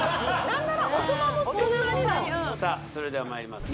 何ならさあそれではまいります